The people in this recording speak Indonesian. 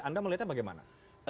anda melihatnya bagaimana